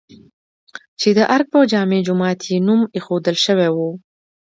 چې د ارګ په جامع جومات یې نوم ايښودل شوی و؟